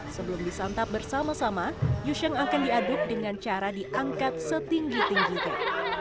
sebelum disantap bersama sama yusyang akan diaduk dengan cara diangkat setinggi tingginya